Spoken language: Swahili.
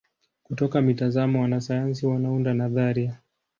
Kutoka mitazamo wanasayansi wanaunda nadharia.